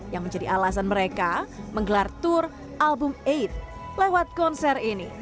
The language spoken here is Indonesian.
yang menjadi alasan mereka menggelar tour album delapan lewat konser ini